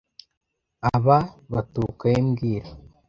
Aba baturuka he mbwira